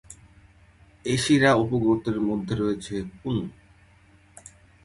এশিরা উপগোত্রের মধ্যে রয়েছে পুনু।